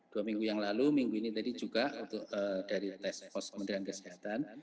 dua minggu yang lalu minggu ini tadi juga dari tes pos kementerian kesehatan